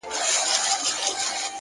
مثبت انسان د ستونزو ترمنځ فرصت مومي!